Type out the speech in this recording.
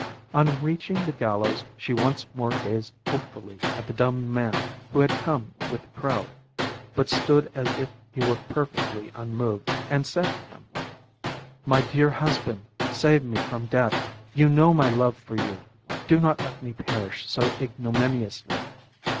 On reaching the gallows, she once more gazed hopefully at the dumb man, who had come with the crowd, but stood as if he were perfectly unmoved, and said to him: "My dear husband, save me from death; you know my love for you, do not let me perish so ignominiously.